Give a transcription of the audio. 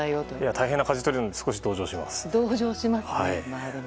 大変なかじ取りなので少し同情します。